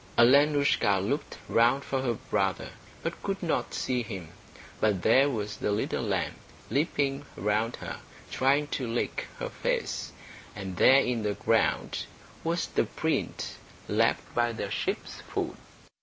Alenoushka looked round for her brother, but could not see him. But there was the little lamb, leaping round her, trying to lick her face, and there in the ground was the print left by the sheep's foot.